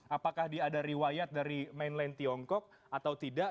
apakah ada riwayat dari mainland tiongkok atau tidak